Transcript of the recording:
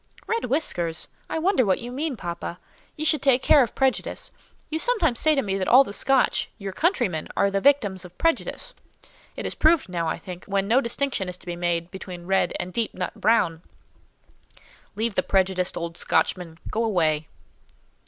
"Red whiskers! I wonder what you mean, papa. You should take care of prejudice. You sometimes say to me that all the Scotch, your countrymen, are the victims of prejudice. It is proved now, I think, when no distinction is to be made between red and deep nut brown." "Leave the prejudiced old Scotchman; go away."